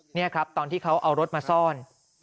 นี่ครับตอนที่เขาเอารถมาซ่อน